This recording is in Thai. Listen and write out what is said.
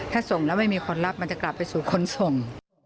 ถ้าส่งแล้วไม่มีคนรับมันจะกลับไปสู่คนส่ง